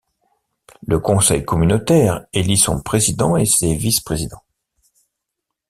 Le conseil communautaire élit son président et ses vice-présidents.